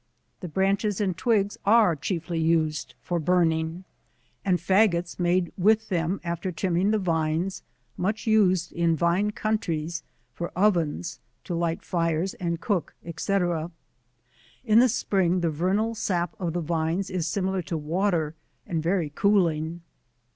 The branches and twigs are chiefly used for burning, and fagots made with them after trimming the Vines ; much used in vine countries for ovens, to li^ht fires and cook, &c. In the spring, the vernal sap of the Vines is similar to water, and very cooling.